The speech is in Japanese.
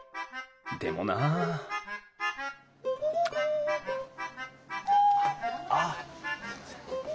でもなあっすみません。